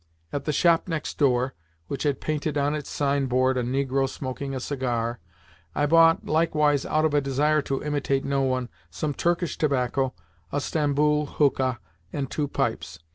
At the shop next door (which had painted on its sign board a negro smoking a cigar) I bought (likewise out of a desire to imitate no one) some Turkish tobacco, a Stamboul hookah, and two pipes.